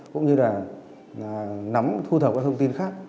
cũng như là nắm thu thập các thông tin khác